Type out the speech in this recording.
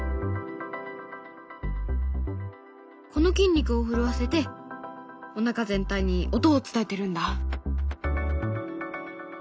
この筋肉を震わせておなか全体に音を伝えてるんだ。